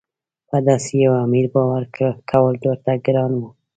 په داسې یوه امیر باور کول ورته ګران وو.